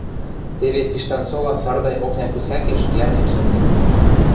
Теве Пиштан сола Сардай окня кӧсӓкеш йӓрнен шӹнзӹн.